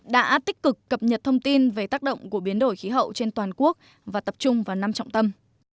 đã tích cực cập nhật thông tin về tác động của biến đổi khí hậu trên toàn quốc và tập trung vào năm trọng tâm